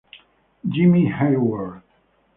Jimmy Hayward